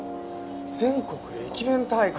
全国駅弁大会。